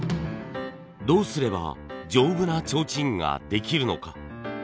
どうすれば丈夫なちょうちんができるのか？